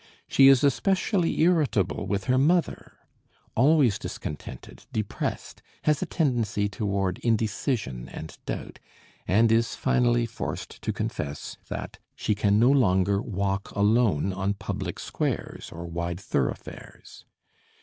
She is especially irritable with her mother, always discontented, depressed, has a tendency toward indecision and doubt, and is finally forced to confess that she can no longer walk alone on public squares or wide thoroughfares.